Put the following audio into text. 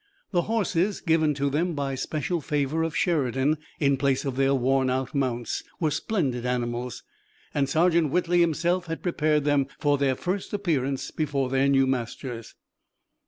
The horses given to them by special favor of Sheridan in place of their worn out mounts, were splendid animals, and Sergeant Whitley himself had prepared them for their first appearance before their new masters.